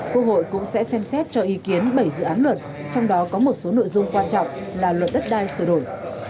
quốc hội cũng sẽ xem xét cho ý kiến bảy dự án luật trong đó có một số nội dung quan trọng là luật đất đai sửa đổi